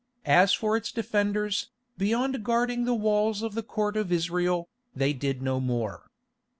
As for its defenders, beyond guarding the walls of the Court of Israel, they did no more.